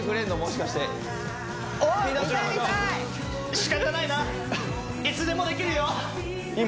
しかたないな今？